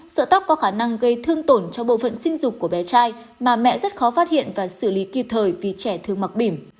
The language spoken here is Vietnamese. sợ tóc có khả năng gây thương tổn cho bộ phận sinh dục của bé trai mà mẹ rất khó phát hiện và xử lý kịp thời vì trẻ thương mặc bìm